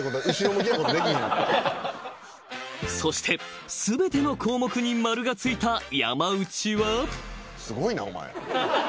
［そして全ての項目に○が付いた山内は］お！